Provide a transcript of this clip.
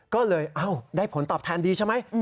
ก็เลยได้ผลตอบแทนดีใช่ไหม